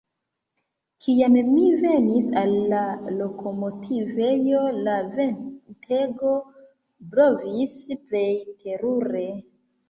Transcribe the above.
Kiam mi venis al la lokomotivejo, la ventego blovis plej terure.